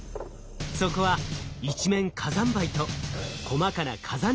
そこは一面火山灰と細かな火山